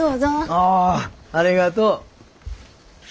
ああありがとう。